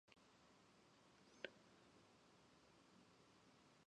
ベトナムの首都はハノイである